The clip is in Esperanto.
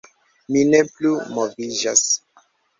Mi ne plu moviĝas.